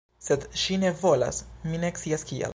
Sed ŝi ne volas; mi ne scias kial